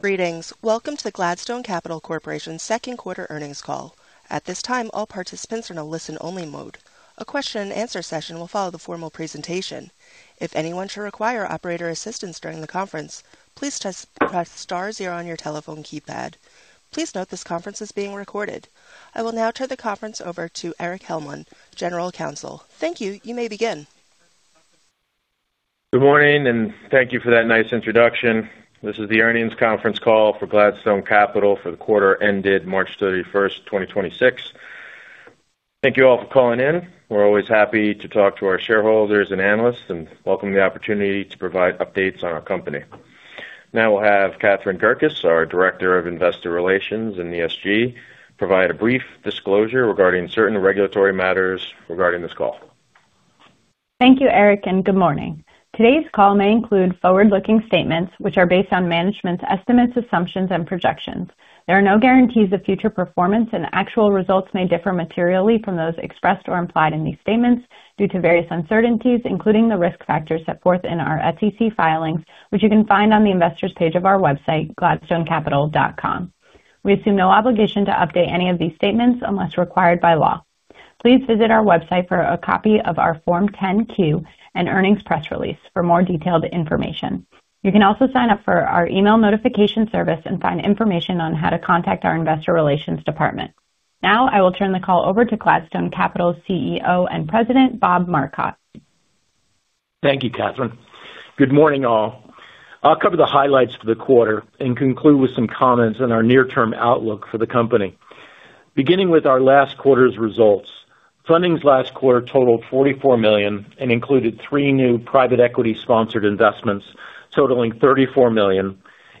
Greetings. Welcome to the Gladstone Capital Corporation second quarter earnings call. At this time, all participants are in listen-only mode. A question-and-answer session will follow the formal presentation. If anyone should require operator assistance during the conference, please press star zero on your telephone keypad. Please note this conference is being recorded. I will now turn the conference over to Erich Hellmold, General Counsel. Thank you. You may begin. Good morning, thank you for that nice introduction. This is the earnings conference call for Gladstone Capital for the quarter ended March 31st, 2026. Thank you all for calling in. We're always happy to talk to our shareholders and analysts and welcome the opportunity to provide updates on our company. Now we'll have Catherine Gerkis, our Director of Investor Relations and ESG, provide a brief disclosure regarding certain regulatory matters regarding this call. Thank you, Erich, and good morning. Today's call may include forward-looking statements which are based on management's estimates, assumptions, and projections. There are no guarantees of future performance, and actual results may differ materially from those expressed or implied in these statements due to various uncertainties, including the risk factors set forth in our SEC filings, which you can find on the investors page of our website, gladstonecapital.com. We assume no obligation to update any of these statements unless required by law. Please visit our website for a copy of our Form 10-Q and earnings press release for more detailed information. You can also sign up for our email notification service and find information on how to contact our investor relations department. I will turn the call over to Gladstone Capital's CEO and President, Bob Marcotte. Thank you, Catherine. Good morning, all. I'll cover the highlights for the quarter and conclude with some comments on our near-term outlook for the company. Beginning with our last quarter's results. Fundings last quarter totaled $44 million and included three new private equity-sponsored investments totaling $34 million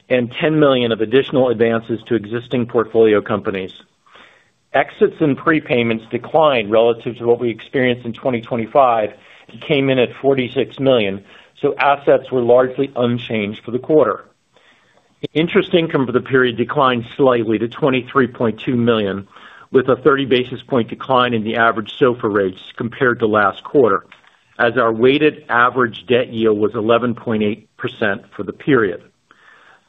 and $10 million of additional advances to existing portfolio companies. Exits and prepayments declined relative to what we experienced in 2025 and came in at $46 million, so assets were largely unchanged for the quarter. Interest income for the period declined slightly to $23.2 million, with a 30 basis point decline in the average SOFR rates compared to last quarter, as our weighted average debt yield was 11.8% for the period.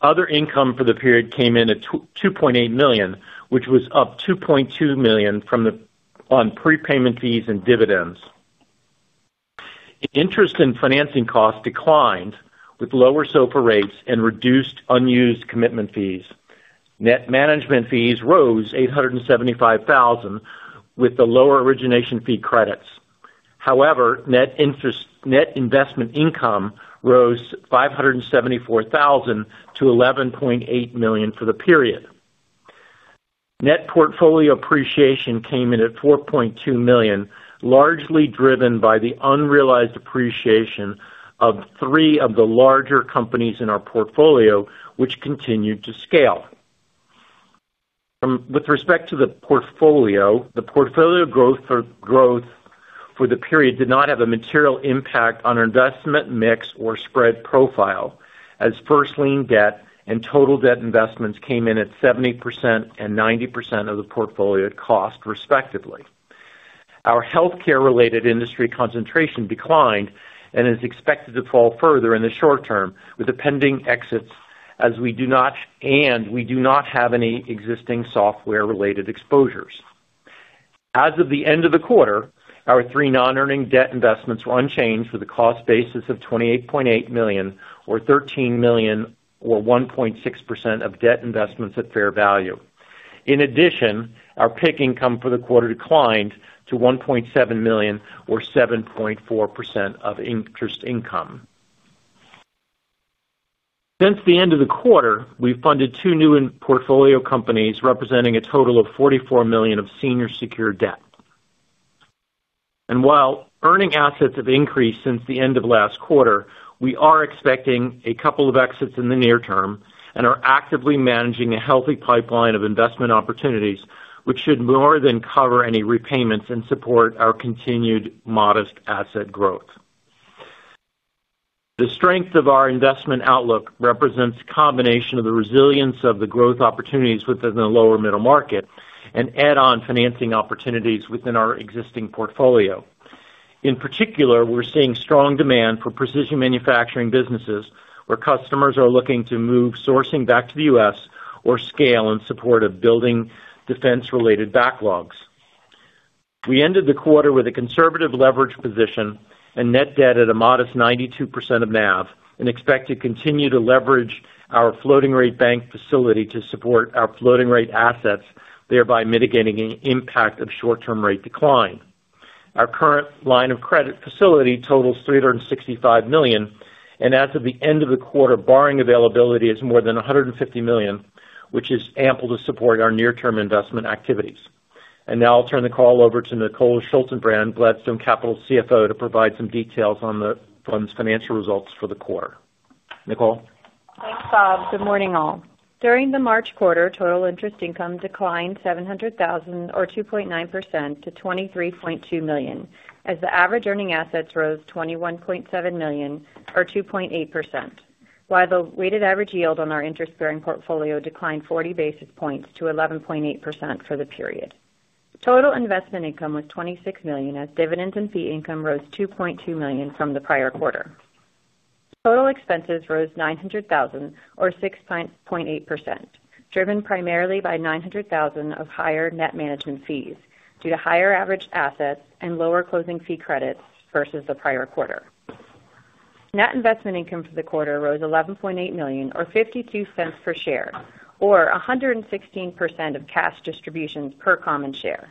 Other income for the period came in at $2.8 million, which was up $2.2 million from the on-prepayment fees and dividends. Interest and financing costs declined with lower SOFR rates and reduced unused commitment fees. Net management fees rose $875,000 with the lower origination fee credits. Net investment income rose $574,000-$11.8 million for the period. Net portfolio appreciation came in at $4.2 million, largely driven by the unrealized appreciation of three of the larger companies in our portfolio which continued to scale. With respect to the portfolio, the portfolio growth for the period did not have a material impact on investment mix or spread profile as first lien debt and total debt investments came in at 70% and 90% of the portfolio cost, respectively. Our healthcare-related industry concentration declined and is expected to fall further in the short term with the pending exits as we do not have any existing software-related exposures. As of the end of the quarter, our three non-earning debt investments were unchanged with a cost basis of $28.8 million or $13 million or 1.6% of debt investments at fair value. In addition, our PIK income for the quarter declined to $1.7 million or 7.4% of interest income. Since the end of the quarter, we funded two new portfolio companies representing a total of $44 million of senior secured debt. While earning assets have increased since the end of last quarter, we are expecting a couple of exits in the near term and are actively managing a healthy pipeline of investment opportunities, which should more than cover any repayments and support our continued modest asset growth. The strength of our investment outlook represents a combination of the resilience of the growth opportunities within the lower middle market and add-on financing opportunities within our existing portfolio. In particular, we're seeing strong demand for precision manufacturing businesses where customers are looking to move sourcing back to the U.S. or scale in support of building defense-related backlogs. We ended the quarter with a conservative leverage position and net debt at a modest 92% of NAV and expect to continue to leverage our floating rate bank facility to support our floating rate assets, thereby mitigating any impact of short-term rate decline. Our current line of credit facility totals $365 million, and as of the end of the quarter, borrowing availability is more than $150 million, which is ample to support our near-term investment activities. Now I'll turn the call over to Nicole Schaltenbrand, Gladstone Capital CFO, to provide some details on its financial results for the quarter. Nicole? Thanks, Bob. Good morning, all. During the March quarter, total interest income declined $700,000 or 2.9% to $23.2 million, as the average earning assets rose $21.7 million or 2.8%, while the weighted average yield on our interest-bearing portfolio declined 40 basis points to 11.8% for the period. Total investment income was $26 million, as dividends and fee income rose $2.2 million from the prior quarter. Total expenses rose $900,000 or 6.8%, driven primarily by $900,000 of higher net management fees due to higher average assets and lower closing fee credits versus the prior quarter. Net investment income for the quarter rose $11.8 million or $0.52 per share, or 116% of cash distributions per common share.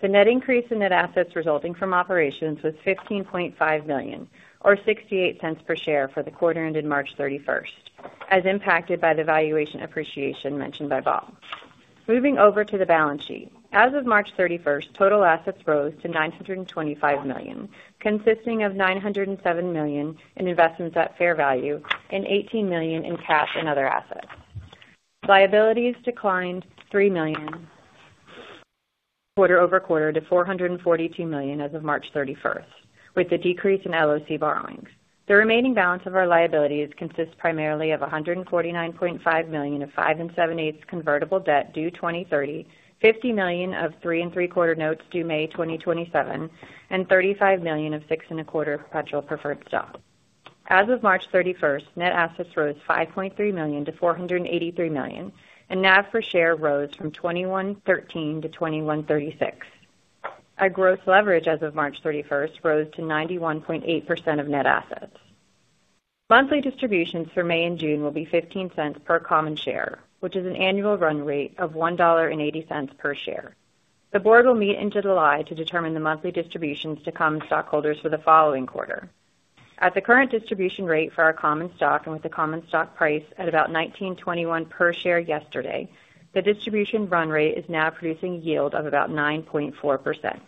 The net increase in net assets resulting from operations was $15.5 million or $0.68 per share for the quarter ended March 31st, as impacted by the valuation appreciation mentioned by Bob. Moving over to the balance sheet. As of March 31st, total assets rose to $925 million, consisting of $907 million in investments at fair value and $18 million in cash and other assets. Liabilities declined $3 million quarter-over-quarter to $442 million as of March 31st, with the decrease in LOC borrowings. The remaining balance of our liabilities consists primarily of $149.5 million of 5 and 7/8% convertible debt due 2030, $50 million of 3 and 3/4% notes due May 2027, and $35 million of 6 and 1/4% perpetual preferred stock. As of March 31st, net assets rose $5.3 million to $483 million, and NAV per share rose from $21.13-$21.36. Our gross leverage as of March 31st rose to 91.8% of net assets. Monthly distributions for May and June will be $0.15 per common share, which is an annual run rate of $1.80 per share. The board will meet in July to determine the monthly distributions to common stockholders for the following quarter. At the current distribution rate for our common stock and with the common stock price at about $19.21 per share yesterday, the distribution run rate is now producing a yield of about 9.4%.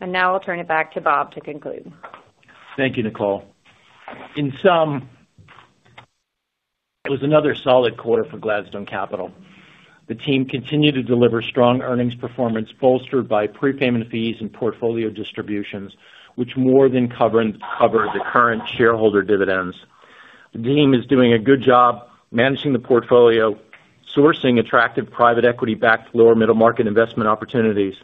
Now I'll turn it back to Bob to conclude. Thank you, Nicole. In sum, it was another solid quarter for Gladstone Capital. The team continued to deliver strong earnings performance bolstered by prepayment fees and portfolio distributions, which more than cover the current shareholder dividends. The team is doing a good job managing the portfolio, sourcing attractive private equity-backed lower middle market investment opportunities.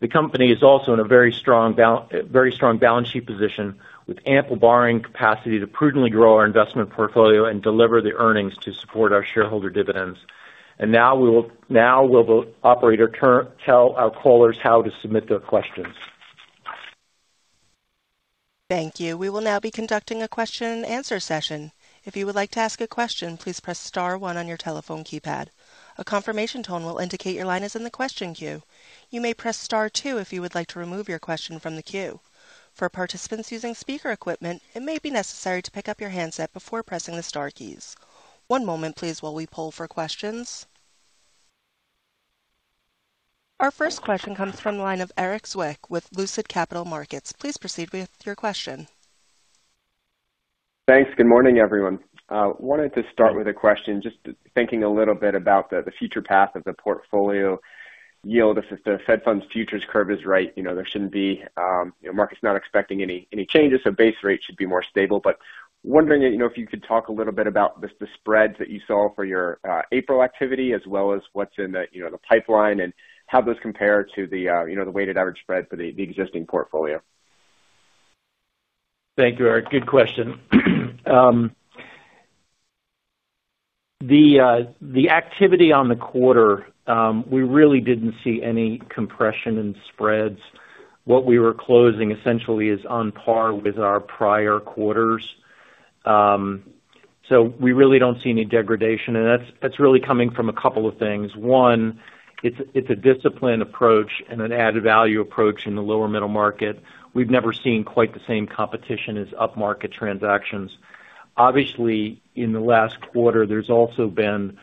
The company is also in a very strong balance sheet position with ample borrowing capacity to prudently grow our investment portfolio and deliver the earnings to support our shareholder dividends. Now will the operator tell our callers how to submit their questions. Thank you. We will now be conducting a question-and-answer session. If you would like to ask a question, please press star one on your telephone keypad. A confirmation tone will indicate your line is in the question queue. You may press star two if you would like to remove your question from the queue. For participants using speaker equipment, it may be necessary to pick up your handset before pressing the star keys. One moment, please, while we poll for questions. Our first question comes from the line of Erik Zwick with Lucid Capital Markets. Please proceed with your question. Thanks. Good morning, everyone. Wanted to start with a question, just thinking a little bit about the future path of the portfolio yield. If the Fed Funds futures curve is right, you know, there shouldn't be, you know, market's not expecting any changes, so base rates should be more stable. Wondering, you know, if you could talk a little bit about the spreads that you saw for your April activity as well as what's in the, you know, the pipeline, and how those compare to the, you know, the weighted average spread for the existing portfolio. Thank you, Erik. Good question. The activity on the quarter, we really didn't see any compression in spreads. What we were closing essentially is on par with our prior quarters. We really don't see any degradation. That's really coming from a couple of things. One, it's a disciplined approach and an added value approach in the lower middle market. We've never seen quite the same competition as upmarket transactions. Obviously, in the last quarter, there's also been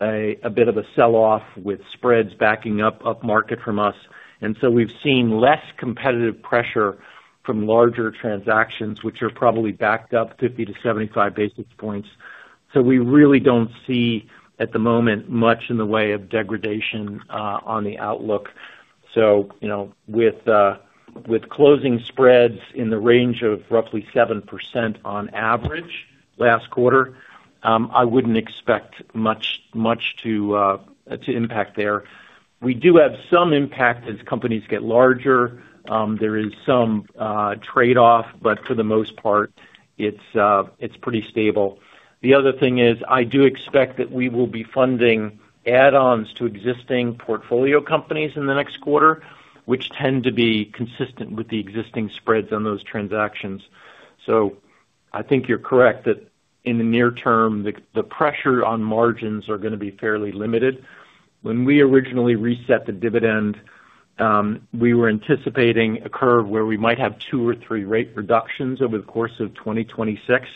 a bit of a sell-off with spreads backing up, upmarket from us. We've seen less competitive pressure from larger transactions, which are probably backed up 50-75 basis points. We really don't see at the moment much in the way of degradation on the outlook. You know, with closing spreads in the range of roughly 7% on average last quarter, I wouldn't expect much to impact there. We do have some impact as companies get larger. There is some trade-off, but for the most part, it's pretty stable. The other thing is, I do expect that we will be funding add-ons to existing portfolio companies in the next quarter, which tend to be consistent with the existing spreads on those transactions. I think you're correct that in the near term, the pressure on margins are gonna be fairly limited. When we originally reset the dividend, we were anticipating a curve where we might have 2 or 3 rate reductions over the course of 2026.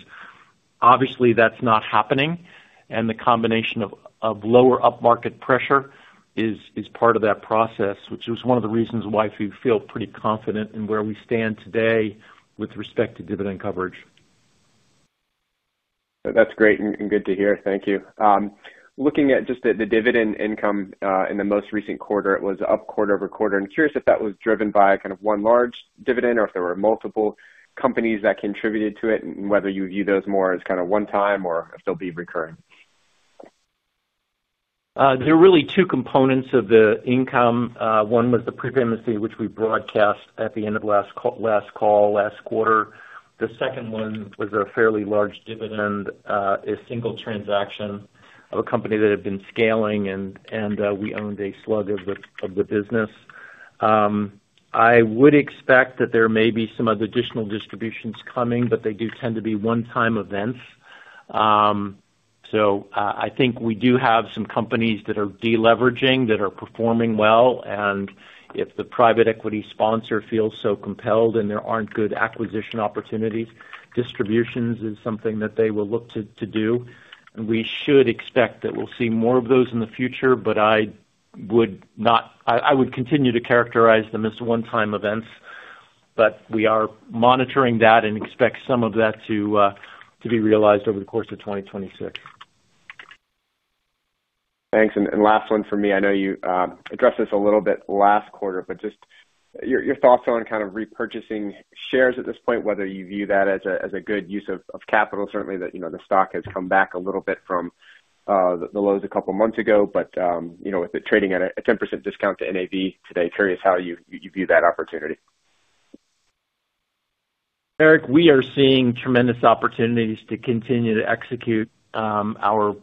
Obviously, that's not happening. The combination of lower upmarket pressure is part of that process, which was one of the reasons why we feel pretty confident in where we stand today with respect to dividend coverage. That's great and good to hear. Thank you. Looking at just the dividend income in the most recent quarter, it was up quarter-over-quarter. I'm curious if that was driven by kind of one large dividend or if there were multiple companies that contributed to it, and whether you view those more as kind of one-time or if they'll be recurring. There are really two components of the income. One was the pre-payment fee, which we broadcast at the end of last call, last quarter. The second one was a fairly large dividend, a single transaction of a company that had been scaling and we owned a slug of the business. I would expect that there may be some other additional distributions coming, but they do tend to be one-time events. I think we do have some companies that are de-leveraging, that are performing well. If the private equity sponsor feels so compelled and there aren't good acquisition opportunities, distributions is something that they will look to do. We should expect that we'll see more of those in the future. I would continue to characterize them as one-time events. We are monitoring that and expect some of that to be realized over the course of 2026. Thanks. Last one for me. I know you addressed this a little bit last quarter, but just your thoughts on kind of repurchasing shares at this point, whether you view that as a good use of capital. Certainly, you know, the stock has come back a little bit from the lows a couple months ago. You know, with it trading at a 10% discount to NAV today, curious how you view that opportunity. Erik, we are seeing tremendous opportunities to continue to execute our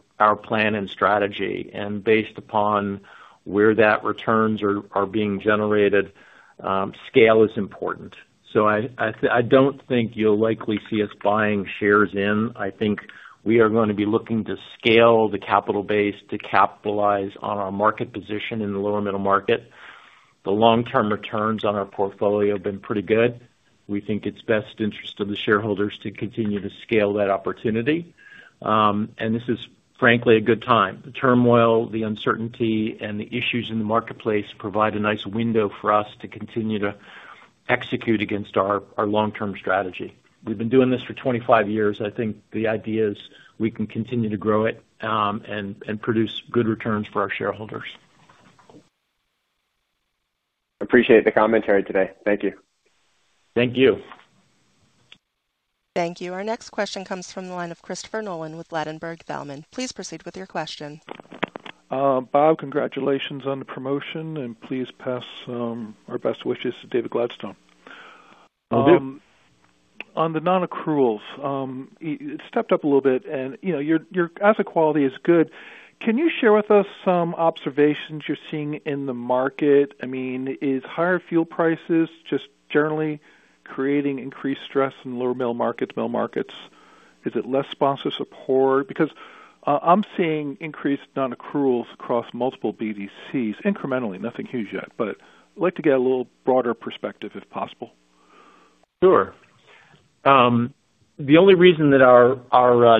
plan and strategy. Based upon where that returns are being generated, scale is important. I don't think you'll likely see us buying shares in. I think we are gonna be looking to scale the capital base to capitalize on our market position in the lower middle market. The long-term returns on our portfolio have been pretty good. We think it's best interest of the shareholders to continue to scale that opportunity. This is frankly a good time. The turmoil, the uncertainty, and the issues in the marketplace provide a nice window for us to continue to execute against our long-term strategy. We've been doing this for 25 years. I think the idea is we can continue to grow it, and produce good returns for our shareholders. Appreciate the commentary today. Thank you. Thank you. Thank you. Our next question comes from the line of Christopher Nolan with Ladenburg Thalmann. Please proceed with your question. Bob, congratulations on the promotion, and please pass, our best wishes to David Gladstone. Will do. On the non-accruals, it stepped up a little bit and, you know, your asset quality is good. Can you share with us some observations you're seeing in the market? I mean, is higher fuel prices just generally creating increased stress in lower middle market, middle markets? Is it less sponsor support? Because, I'm seeing increased non-accruals across multiple BDCs incrementally. Nothing huge yet, but I'd like to get a little broader perspective if possible. Sure. The only reason that our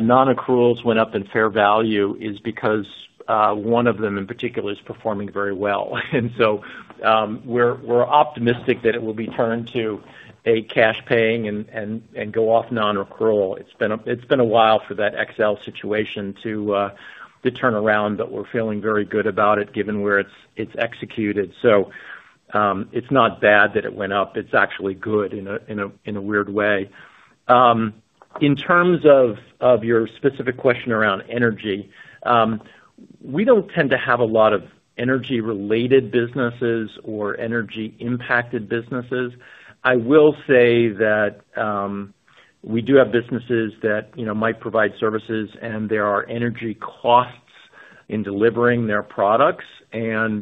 non-accruals went up in fair value is because one of them in particular is performing very well. We're optimistic that it will be turned to a cash paying and go off non-accrual. It's been a while for that XL situation to turn around, but we're feeling very good about it given where it's executed. It's not bad that it went up. It's actually good in a weird way. In terms of your specific question around energy, we don't tend to have a lot of energy-related businesses or energy-impacted businesses. I will say that, we do have businesses that, you know, might provide services and there are energy costs in delivering their products. You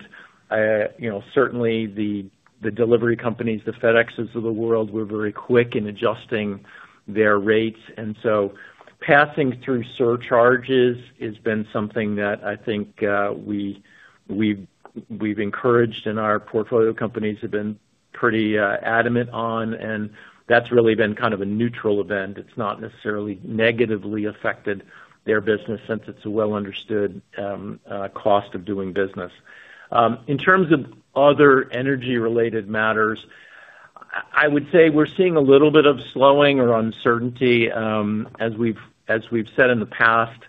know, certainly the delivery companies, the FedExes of the world, were very quick in adjusting their rates. Passing through surcharges has been something that I think we've encouraged, and our portfolio companies have been pretty adamant on, and that's really been kind of a neutral event. It's not necessarily negatively affected their business since it's a well understood cost of doing business. In terms of other energy-related matters, I would say we're seeing a little bit of slowing or uncertainty. As we've said in the past,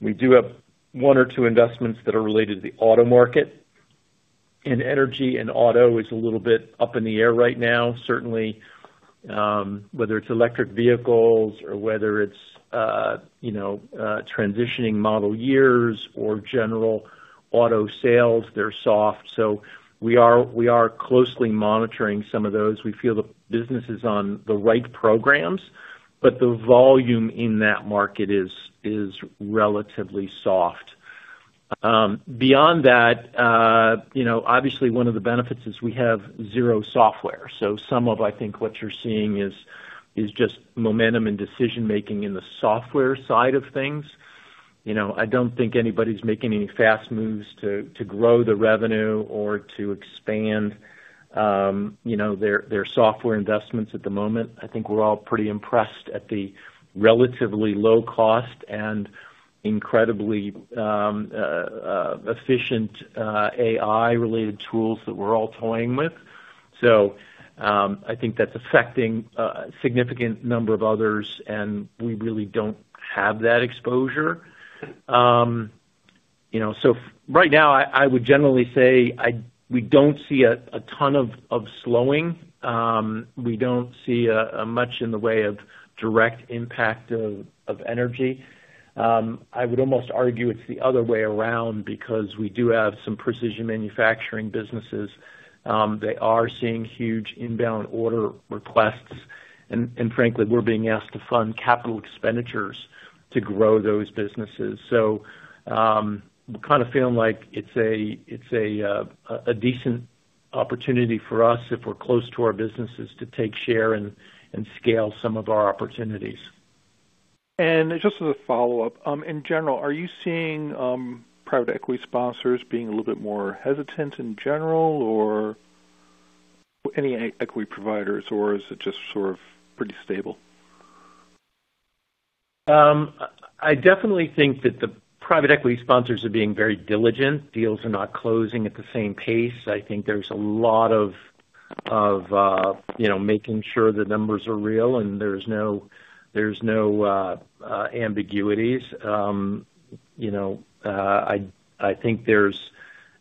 we do have one or two investments that are related to the auto market. Energy and auto is a little bit up in the air right now. Certainly, whether it's electric vehicles or whether it's, you know, transitioning model years or general auto sales, they're soft. We are closely monitoring some of those. We feel the business is on the right programs, but the volume in that market is relatively soft. Beyond that, you know, obviously, one of the benefits is we have zero software. Some of, I think what you're seeing is just momentum and decision-making in the software side of things. You know, I don't think anybody's making any fast moves to grow the revenue or to expand, you know, their software investments at the moment. I think we're all pretty impressed at the relatively low cost and incredibly efficient AI-related tools that we're all toying with. I think that's affecting a significant number of others, and we really don't have that exposure. You know, right now I would generally say we don't see a ton of slowing. We don't see much in the way of direct impact of energy. I would almost argue it's the other way around because we do have some precision manufacturing businesses. They are seeing huge inbound order requests. Frankly, we're being asked to fund capital expenditures to grow those businesses. We're kinda feeling like it's a decent opportunity for us if we're close to our businesses to take share and scale some of our opportunities. Just as a follow-up, in general, are you seeing private equity sponsors being a little bit more hesitant in general or any equity providers, or is it just sort of pretty stable? I definitely think that the private equity sponsors are being very diligent. Deals are not closing at the same pace. I think there's a lot of, you know, making sure the numbers are real and there's no ambiguities. You know, I think there's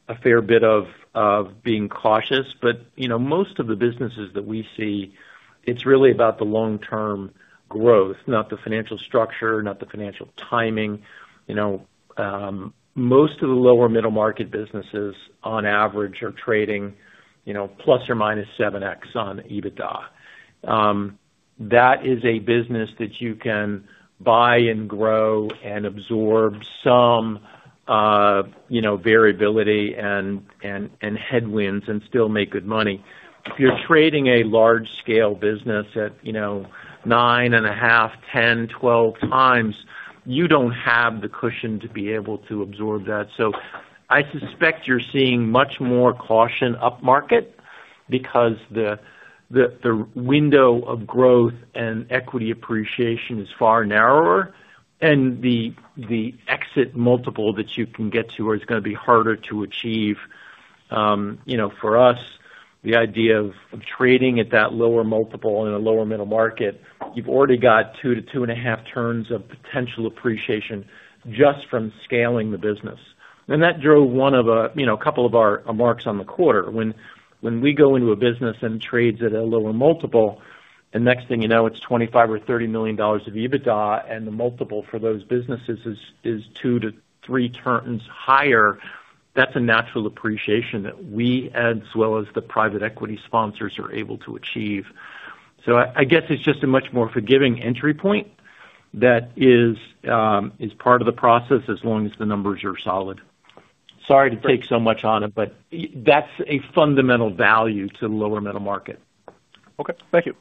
a fair bit of being cautious, but, you know, most of the businesses that we see, it's really about the long-term growth, not the financial structure, not the financial timing. You know, most of the lower middle-market businesses on average are trading, you know, plus or minus 7x on EBITDA. That is a business that you can buy and grow and absorb some, you know, variability and headwinds, and still make good money. If you're trading a large-scale business at, you know, 9.5x, 10x, 12x, you don't have the cushion to be able to absorb that. I suspect you're seeing much more caution upmarket because the window of growth and equity appreciation is far narrower, and the exit multiple that you can get to is gonna be harder to achieve. You know, for us, the idea of trading at that lower multiple in a lower middle market, you've already got 2-2.5 turns of potential appreciation just from scaling the business. That drove one of, you know, a couple of our marks on the quarter. When we go into a business and trades at a lower multiple, and next thing you know, it's $25 million or $30 million of EBITDA, and the multiple for those businesses is 2-3 turns higher, that's a natural appreciation that we as well as the private equity sponsors are able to achieve. I guess it's just a much more forgiving entry point that is part of the process as long as the numbers are solid. Sorry to take so much on it, that's a fundamental value to lower middle market. Okay. Thank you.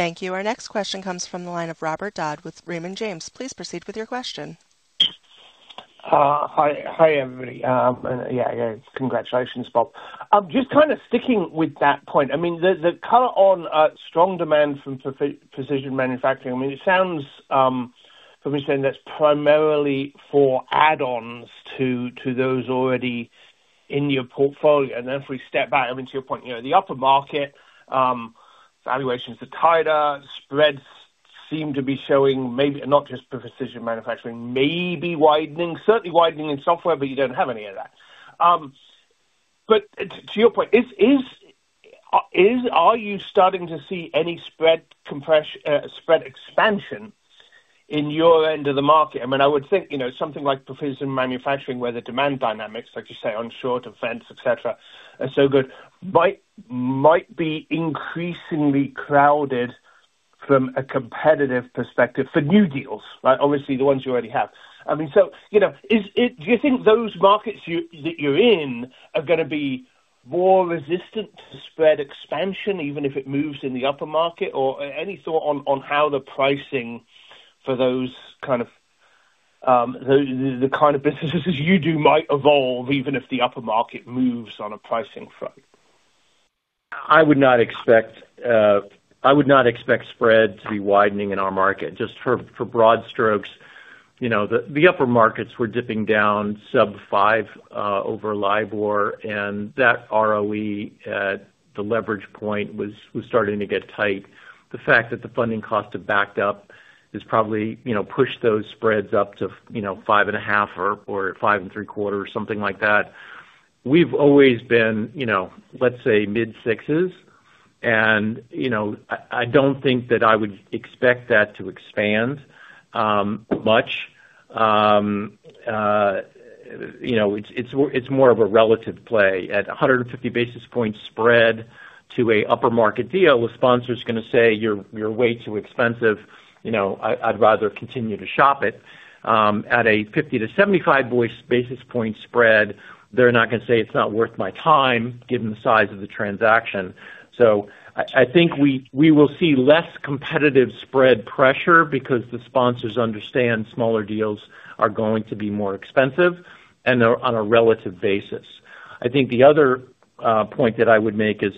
Thank you. Our next question comes from the line of Robert Dodd with Raymond James. Please proceed with your question. Hi, hi everybody. Yeah, congratulations, Bob. Just kind of sticking with that point. I mean, the color on strong demand from precision manufacturing. I mean, it sounds from you saying that's primarily for add-ons to those already in your portfolio. If we step back, I mean, to your point, you know, the upper market valuations are tighter. Spreads seem to be showing maybe not just for precision manufacturing, maybe widening, certainly widening in software, but you don't have any of that. To your point, are you starting to see any spread expansion in your end of the market? I mean, I would think, you know, something like precision manufacturing, where the demand dynamics, like you say, on short events, et cetera, are so good, might be increasingly crowded from a competitive perspective for new deals, right? Obviously, the ones you already have. I mean, you know, do you think those markets that you're in are gonna be more resistant to spread expansion, even if it moves in the upper market? Any thought on how the pricing for those kind of the kind of businesses you do might evolve, even if the upper market moves on a pricing front? I would not expect spread to be widening in our market. Just for broad strokes, you know, the upper markets were dipping down sub five over LIBOR, and that ROE at the leverage point was starting to get tight. The fact that the funding costs have backed up has probably, you know, pushed those spreads up to, you know, 5.5% or 5.75% or something like that. We've always been, you know, let's say mid-sixes. You know, I don't think that I would expect that to expand much. You know, it's more of a relative play. At 150 basis points spread to a upper market deal, a sponsor's gonna say, "You're way too expensive. You know, I'd rather continue to shop it." At a 50-75 basis point spread, they're not gonna say, "It's not worth my time," given the size of the transaction. I think we will see less competitive spread pressure because the sponsors understand smaller deals are going to be more expensive, and they're on a relative basis. I think the other point that I would make is,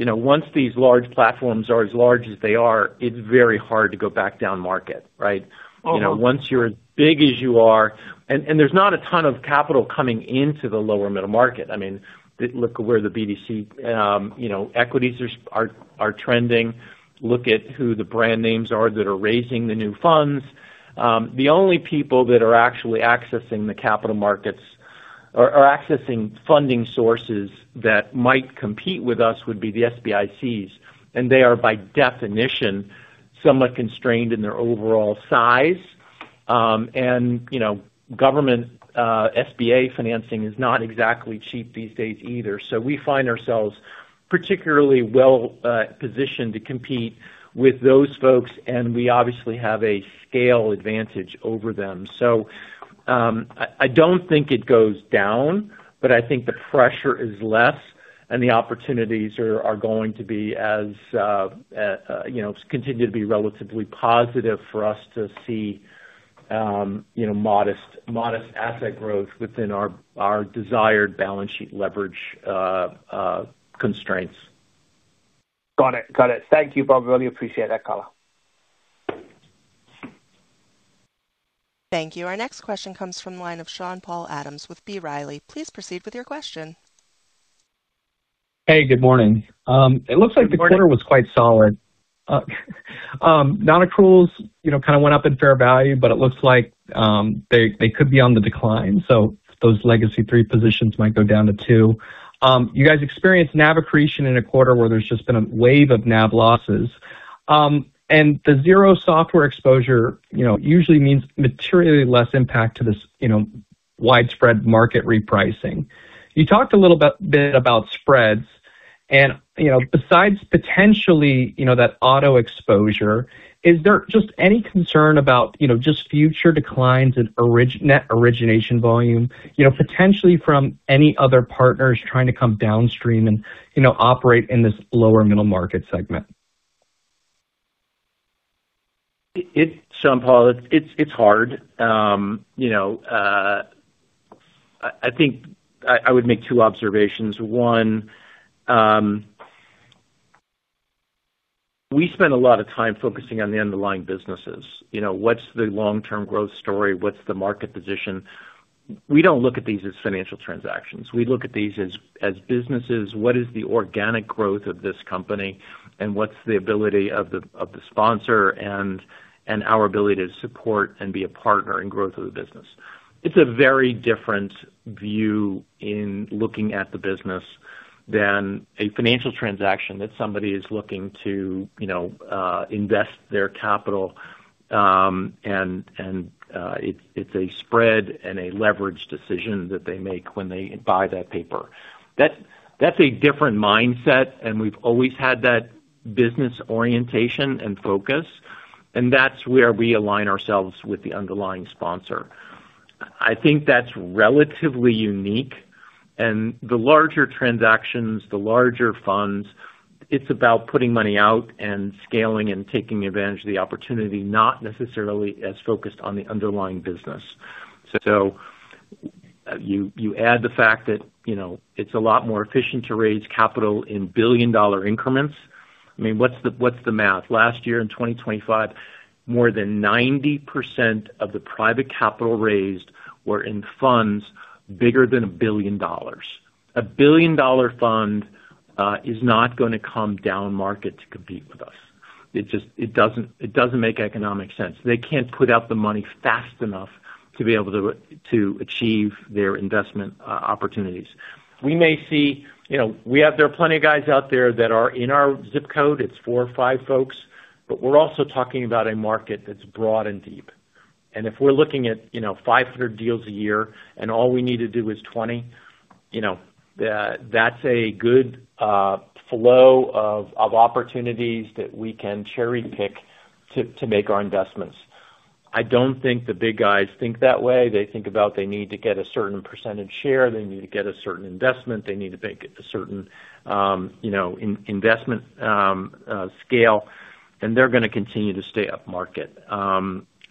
you know, once these large platforms are as large as they are, it's very hard to go back down market, right? You know, once you're as big as you are, there's not a ton of capital coming into the lower middle market. I mean, look at where the BDC, you know, equities are trending. Look at who the brand names are that are raising the new funds. The only people that are actually accessing the capital markets or accessing funding sources that might compete with us would be the SBICs. They are by definition somewhat constrained in their overall size. You know, government SBA financing is not exactly cheap these days either. We find ourselves particularly well-positioned to compete with those folks, and we obviously have a scale advantage over them. I don't think it goes down, but I think the pressure is less and the opportunities are going to be as, you know, continue to be relatively positive for us to see, you know, modest asset growth within our desired balance sheet leverage constraints. Got it. Got it. Thank you, Bob. Really appreciate that color. Thank you. Our next question comes from the line of Sean-Paul Adams with B. Riley. Please proceed with your question. Hey, good morning. Good morning. It looks like the quarter was quite solid. Non-accruals, you know, kind of went up in fair value, but it looks like they could be on the decline. Those legacy three positions might go down to two. You guys' experienced NAV accretion in a quarter where there's just been a wave of NAV losses. The zero software exposure, you know, usually means materially less impact to this, you know, widespread market repricing. You talked a little bit about spreads. You know, besides potentially, you know, that auto exposure, is there just any concern about, you know, just future declines in net origination volume, you know, potentially from any other partners trying to come downstream and, you know, operate in this lower middle market segment? Sean-Paul, it's hard. You know, I think I would make two observations. One, we spend a lot of time focusing on the underlying businesses. You know, what's the long-term growth story? What's the market position? We don't look at these as financial transactions. We look at these as businesses. What is the organic growth of this company, and what's the ability of the sponsor and our ability to support and be a partner in growth of the business? It's a very different view in looking at the business than a financial transaction that somebody is looking to, you know, invest their capital. It's a spread and a leverage decision that they make when they buy that paper. That's a different mindset, and we've always had that business orientation and focus, and that's where we align ourselves with the underlying sponsor. I think that's relatively unique. The larger transactions, the larger funds, it's about putting money out and scaling and taking advantage of the opportunity, not necessarily as focused on the underlying business. You add the fact that, you know, it's a lot more efficient to raise capital in billion-dollar increments. I mean, what's the, what's the math? Last year in 2025, more than 90% of the private capital raised were in funds bigger than $1 billion. $1 billion fund is not gonna come down market to compete with us. It doesn't make economic sense. They can't put out the money fast enough to be able to achieve their investment opportunities. We may see, you know, there are plenty of guys out there that are in our zip code. It's four or five folks. We're also talking about a market that's broad and deep. If we're looking at, you know, 500 deals a year and all we need to do is 20, you know, that's a good flow of opportunities that we can cherry-pick to make our investments. I don't think the big guys think that way. They think about they need to get a certain percentage share. They need to get a certain investment. They need to make a certain, you know, investment scale. They're gonna continue to stay up market.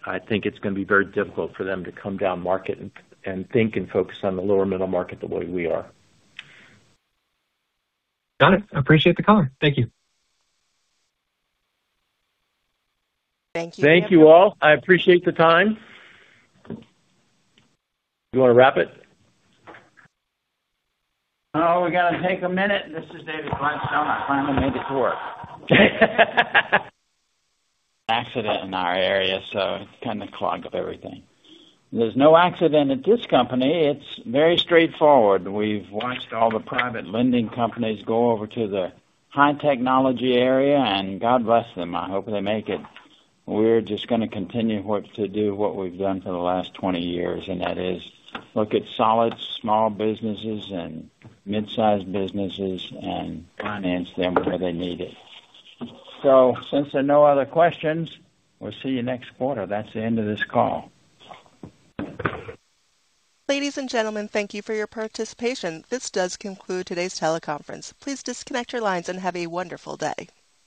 I think it's gonna be very difficult for them to come down market and think and focus on the lower middle market the way we are. Got it. I appreciate the color. Thank you. Thank you. Thank you, all. I appreciate the time. You wanna wrap it? We gotta take a minute. This is David Gladstone. I finally made it to work. Accident in our area, it kind of clogged up everything. There's no accident at this company. It's very straightforward. We've watched all the private lending companies go over to the high technology area, God bless them. I hope they make it. We're just gonna continue to do what we've done for the last 20 years, that is look at solid small businesses and mid-sized businesses and finance them where they need it. Since there are no other questions, we'll see you next quarter. That's the end of this call. Ladies and gentlemen, thank you for your participation. This does conclude today's teleconference. Please disconnect your lines and have a wonderful day.